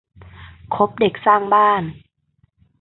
คบเด็กสร้างบ้าน